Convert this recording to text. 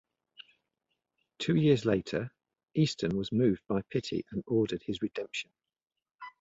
Two years later, Easton was moved by pity and ordered his redemption.